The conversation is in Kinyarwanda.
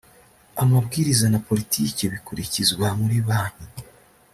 amabwiriza na politiki bikurikizwa muri banki